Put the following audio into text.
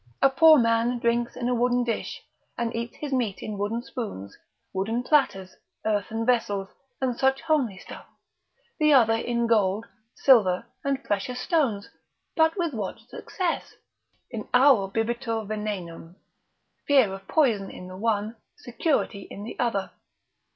A poor man drinks in a wooden dish, and eats his meat in wooden spoons, wooden platters, earthen vessels, and such homely stuff: the other in gold, silver, and precious stones; but with what success? in auro bibitur venenum, fear of poison in the one, security in the other.